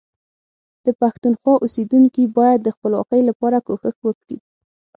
د پښتونخوا اوسیدونکي باید د خپلواکۍ لپاره کوښښ وکړي